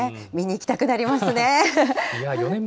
見に行きたくなりますね。